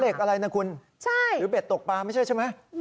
อะไรนะคุณหรือเบ็ดตกปลาไม่ใช่ใช่ไหม